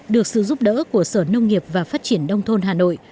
được sự giúp đỡ của sở nông nghiệp và phát triển đông thôn hà nội